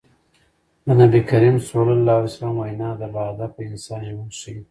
د نبي کريم ص وينا د باهدفه انسان ژوند ښيي.